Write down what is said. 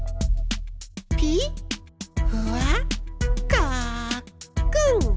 ピッふわっかっくん。